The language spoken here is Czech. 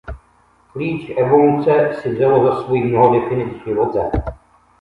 Klíč evoluce si vzalo za svůj mnoho definic života.